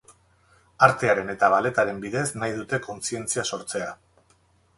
Artearen eta balletaren bidez nahi dute kontzientzia sortzea.